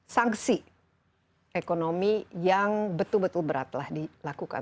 sanksi ekonomi yang betul betul beratlah dilakukan